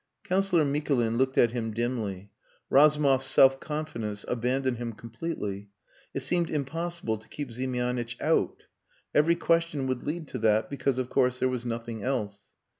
Councillor Mikulin looked at him dimly. Razumov's self confidence abandoned him completely. It seemed impossible to keep Ziemianitch out. Every question would lead to that, because, of course, there was nothing else.